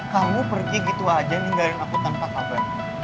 kamu pergi gitu aja ninggarin aku tanpa kabar